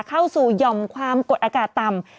เข้าสู่หย่อมความกดอากาศต่ำ